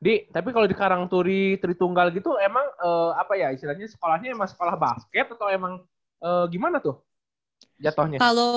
di tapi kalau di karangturi tunggal gitu emang apa ya istilahnya sekolahnya emang sekolah basket atau emang gimana tuh jatuhnya